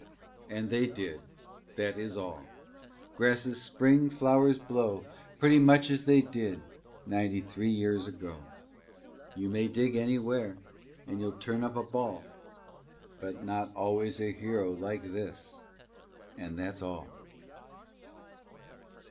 And they did. That is all. Grasses spring, flowers blow Pretty much as they did ninety three years ago. You may dig anywhere and you'll turn up a ball, But not always a hero like this, and that's all.